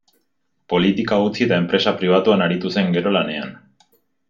Politika utzi, eta enpresa pribatuan aritu zen gero lanean.